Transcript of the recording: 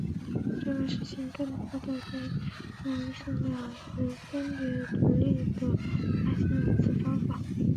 这个事情更多地被认为是两人分别独立地发现了此方法。